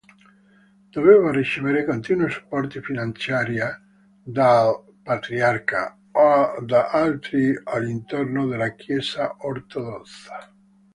Doveva ricevere continui supporti finanziari dal Patriarca o da altri all'interno della Chiesa ortodossa.